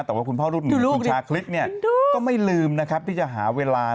แต่ว่าคุณพ่อลูกหนึ่งคุณชาคลิ๊กเนี่ยก็ไม่ลืมนะครับดูลูกดิคุณลูก